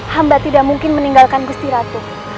hamba tidak mungkin meninggalkan gusti ratu